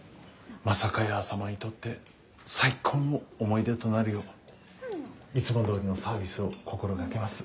まさかやー様にとって最高の思い出となるよういつもどおりのサービスを心がけます。